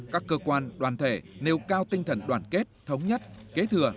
các cơ quan đoàn thể nêu cao tinh thần đoàn kết thống nhất kế thừa